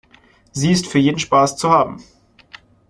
Sie ist für jeden Spaß zu haben.